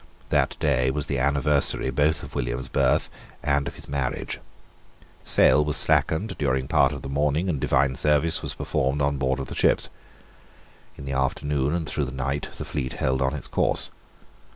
That day was the anniversary both of William's birth and of his marriage. Sail was slackened during part of the morning; and divine service was performed on board of the ships. In the afternoon and through the night the fleet held on its course.